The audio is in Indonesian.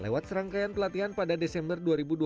lewat serangkaian pelatihan pada desember dua ribu dua puluh